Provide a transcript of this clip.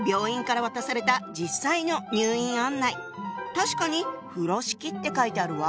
確かに「風呂敷」って書いてあるわ！